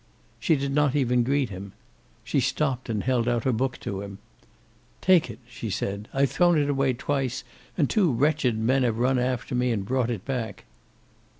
She did not even greet him. She stopped and held out her book to him. "Take it!" she said. "I've thrown it away twice, and two wretched men have run after me and brought it back."